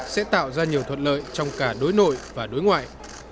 sẽ tạo ra nhiều thuận lợi trong cả đối nội và đối ngoại